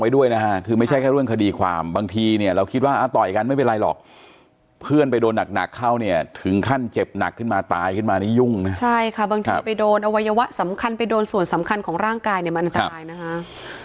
ตายขึ้นมานี่ยุ่งใช่ค่ะบางทีไปโดนอวัยวะสำคัญไปโดนส่วนสำคัญของร่างกายเนี้ยมันตายนะคะ